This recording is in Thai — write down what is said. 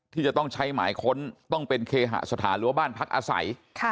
ที่จะต้องใช้หมายค้นต้องเป็นเคหสถานหรือว่าบ้านพักอาศัย